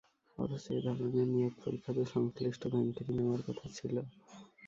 অথচ এ ধরনের নিয়োগ পরীক্ষা তো সংশ্লিষ্ট ব্যাংকেরই নেওয়ার কথা ছিল।